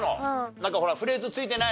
なんかほらフレーズついてないの？